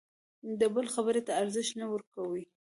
د بل خبرې ته ارزښت نه ورکوي.